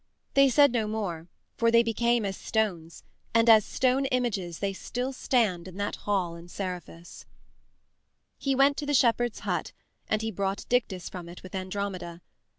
They said no more, for they became as stones, and as stone images they still stand in that hall in Seriphus. He went to the shepherd's hut, and he brought Dictys from it with Andromeda.